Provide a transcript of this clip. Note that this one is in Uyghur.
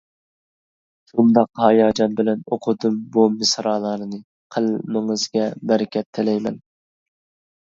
شۇنداق ھاياجان بىلەن ئوقۇدۇم بۇ مىسرالارنى، قەلىمىڭىزگە بەرىكەت تىلەيمەن.